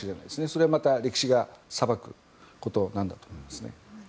それはまた歴史が裁くことなんですね。